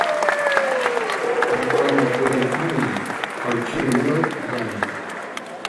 Анкъани хъу делгӀани, хъалчир мура удани.